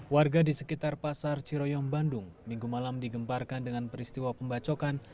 warga di sekitar pasar ciroyong bandung minggu malam digemparkan dengan peristiwa pembacokan